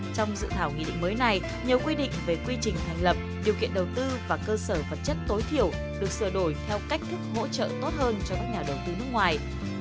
trong dự thảo nghị định mới này nhiều quy định về quy trình thành lập điều kiện đầu tư và cơ sở vật chất tối thiểu được sửa đổi theo cách thức hỗ trợ tốt hơn cho các nhà đầu tư nước ngoài